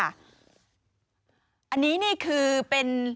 อันนี้นี่คือเป็น